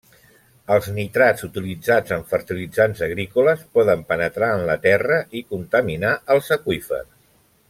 Els nitrats utilitzats en fertilitzants agrícoles poden penetrar en la terra i contaminar els aqüífers.